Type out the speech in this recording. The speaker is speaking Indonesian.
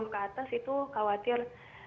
empat puluh ke atas itu khawatir